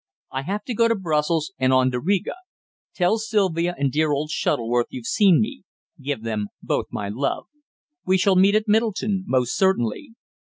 "I have to go to Brussels, and on to Riga. Tell Sylvia and dear old Shuttleworth you've seen me. Give them both my love. We shall meet down at Middleton, most certainly."